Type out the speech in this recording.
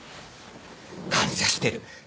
感謝してる。